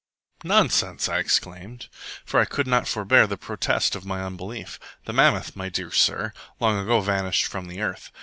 "Nonsense!" I exclaimed, for I could not forbear the protest of my unbelief. "The mammoth, my dear sir, long ago vanished from the earth.